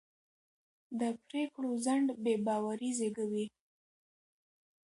د پرېکړو ځنډ بې باوري زېږوي